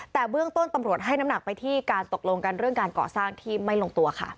แต่เบื้องต้นตำรวจให้น้ำหนักไปที่การตกลงกันเรื่องการก่อสร้างที่ไม่ลงตัวค่ะ